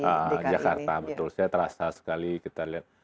iya betul jakarta betul saya terasa sekali kita lihat